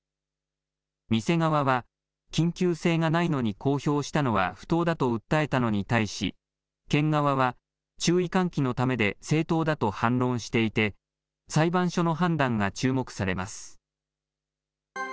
店側は、緊急性がないのに公表したのは不当だと訴えたのに対し、県側は、注意喚起のためで正当だと反論していて、裁判所の判断が注目されます。